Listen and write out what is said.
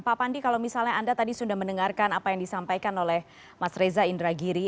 pak pandi kalau misalnya anda tadi sudah mendengarkan apa yang disampaikan oleh mas reza indragiri